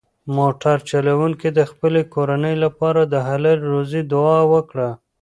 موټر چلونکي د خپلې کورنۍ لپاره د حلالې روزۍ دعا وکړه.